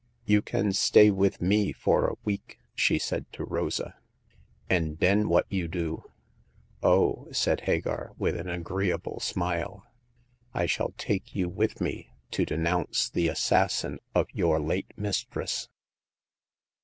You can stay with me for a week," she said to Rosa. And den what you do ?" 0h/' said Hagar, with an agreeable smile, " I shall take you with me to denounce the assassin of your late mistress.